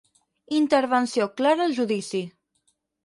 Intervenció Clara al judici.